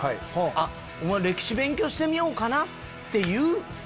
「あっ歴史勉強してみようかな」っていう。